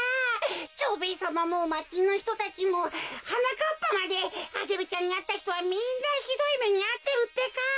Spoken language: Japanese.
蝶兵衛さまもまちのひとたちもはなかっぱまでアゲルちゃんにあったひとはみんなひどいめにあってるってか。